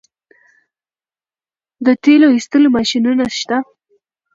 د تیلو ایستلو ماشینونه شته